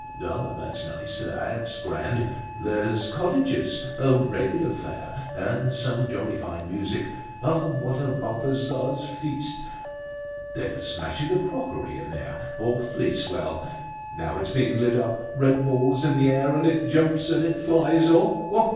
"Ah! that's nice, that's grand! There're cottages, a regular fair. And some jolly fine music! What a Balthazar's feast! They're smashing the crockery in there. Awfully swell! Now it's being lit up; red balls in the air, and it jumps, and it flies! Oh! oh!